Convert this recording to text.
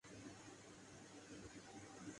صبر اسی طرح نتیجہ خیز ہوتا ہے۔